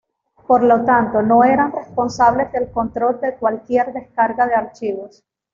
Por lo tanto, no eran responsables del control de cualquier descarga de archivos.